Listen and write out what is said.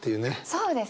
そうですね！